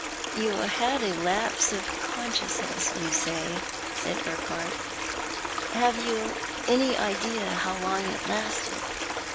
" You had a lapse of consciousness, you say," said Urquhart. " Have you any idea how long it lasted